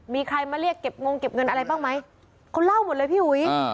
มีใครมาเรียกเก็บงงเก็บเงินอะไรบ้างไหมเขาเล่าหมดเลยพี่อุ๋ย